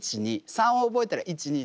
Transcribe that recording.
３を覚えたら１２３。